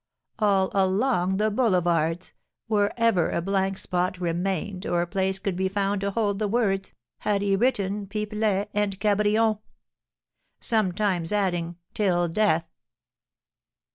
All along the Boulevards, wherever a blank spot remained or a place could be found to hold the words, had he written 'Pipelet and Cabrion!' sometimes adding, 'till death!'